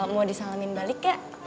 mau disalamin balik ya